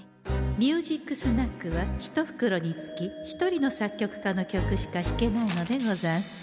「ミュージックスナック」は１袋につきひとりの作曲家の曲しか弾けないのでござんす。